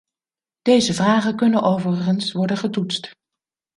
Deze vragen kunnen overigens worden getoetst.